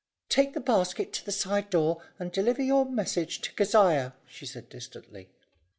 "Take your basket to the side door, and deliver your message to Keziah," she said distantly.